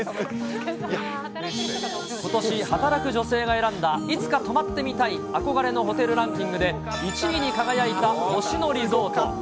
ことし働く女性が選んだ、いつか泊まってみたい憧れのホテルランキングで１位に輝いた星野リゾート。